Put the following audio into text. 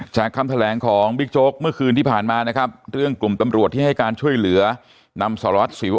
คำแถลงของบิ๊กโจ๊กเมื่อคืนที่ผ่านมานะครับเรื่องกลุ่มตำรวจที่ให้การช่วยเหลือนำสารวัตรสิว